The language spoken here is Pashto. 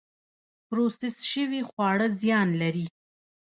پروسس شوي خواړه زیان لري